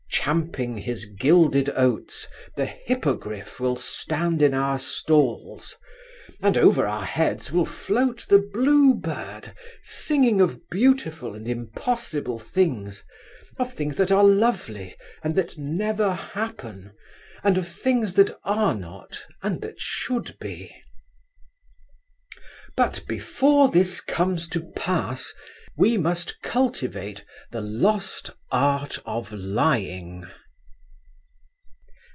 Champing his gilded oats, the Hippogriff will stand in our stalls, and over our heads will float the Blue Bird singing of beautiful and impossible things, of things that are lovely and that never happen, of things that are not and that should be. But before this comes to pass we must cultivate the lost art of Lying.